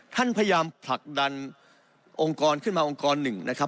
ท่านพยายามผลักดันองค์กรขึ้นมาองค์กรหนึ่งนะครับ